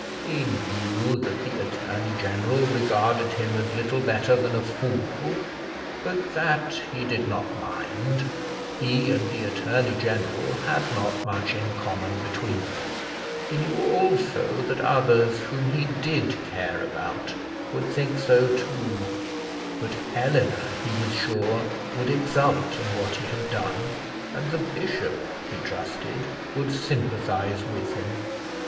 He knew that the attorney general regarded him as little better than a fool, but that he did not mind; he and the attorney general had not much in common between them; he knew also that others, whom he did care about, would think so too; but Eleanor, he was sure, would exult in what he had done, and the bishop, he trusted, would sympathise with him.